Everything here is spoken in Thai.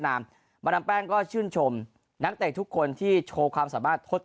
นามมาดามแป้งก็ชื่นชมนักเตะทุกคนที่โชว์ความสามารถทด